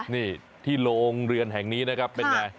นี่ที่โรงเรือนแห่งนี้นะครับเป็นไง